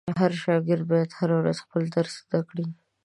هر شاګرد باید هره ورځ خپل درس زده کړي.